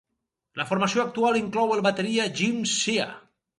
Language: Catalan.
La formació actual inclou el bateria Jim Shea.